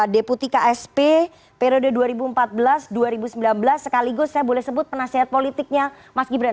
deputi ksp periode dua ribu empat belas dua ribu sembilan belas sekaligus saya boleh sebut penasehat politiknya mas gibran